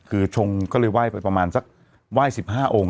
คือชงก็เลยไหว้ไปประมาณสักไหว้๑๕องค์